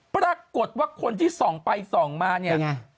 ปรากฏว่าคนที่ส่องไปส่องมาเนี่ย